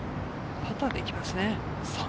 パターでいきますね。